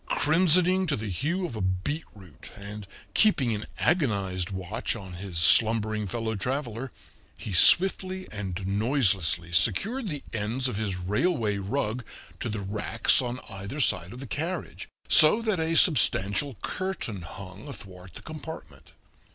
Crimsoning to the hue of a beetroot and keeping an agonized watch on his slumbering fellow traveler, he swiftly and noiselessly secured the ends of his railway rug to the racks on either side of the carriage, so that a substantial curtain hung athwart the compartment.